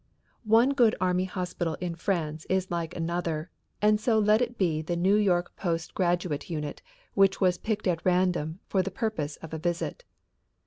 One good army hospital in France is like another and so let it be the New York Post Graduate unit which was picked at random for the purpose of a visit.